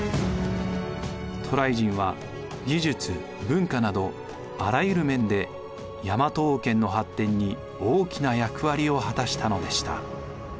渡来人は技術文化などあらゆる面で大和王権の発展に大きな役割を果たしたのでした。